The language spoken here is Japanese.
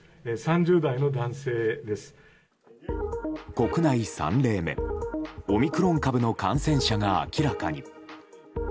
国内３例目、オミクロン株の感染者が明らかに。